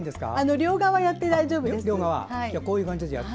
両側やって大丈夫です。